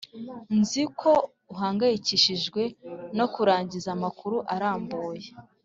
nzi ko uhangayikishijwe no kurangiza amakuru arambuye